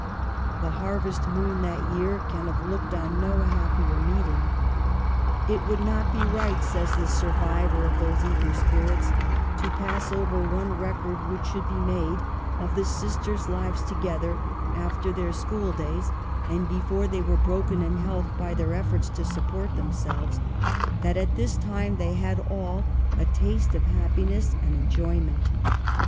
The harvest moon that year can have looked on no happier meeting. " It would not be right," says the survivor of those eager spirits, " to pass over one record which should be made of the sisters' lives together, after their school days, and before they were broken in health by their efforts to support themselves, that at this time they had all a taste of happiness and en joyment.